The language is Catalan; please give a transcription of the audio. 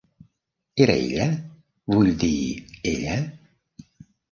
Era ella?, vull dir, ella?